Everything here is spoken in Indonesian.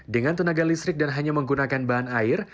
dengan tenaga listrik dan hanya menggunakan bahan air